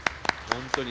本当に。